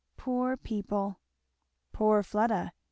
Poor people! " "Poor Fleda!"